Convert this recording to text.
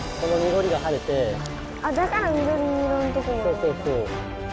そうそうそう。